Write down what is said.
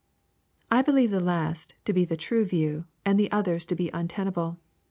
I believe the last to be the true view, and the others to be un tenable.